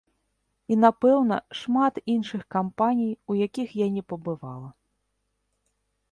І, напэўна, шмат іншых кампаній, у якіх я не пабывала.